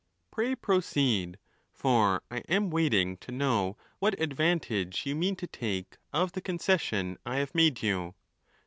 —Pray proceed, for I am waiting to know what advantage you mean to take of the concession I have made ou.